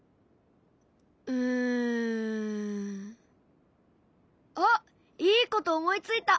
うん。あっいいこと思いついた！